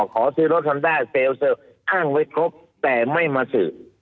ขอซื้อรถฮอนด้าเซลเซลล์อ้างไว้ครบแต่ไม่มาสืบ